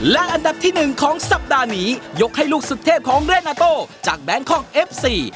และอันดับที่๑ของสัปดาห์นี้ยกให้ลูกสุดเทพของเรนาโต้จากแบงคอกเอฟซี